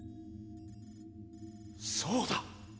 そうだ！